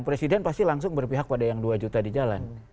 presiden pasti langsung berpihak pada yang dua juta di jalan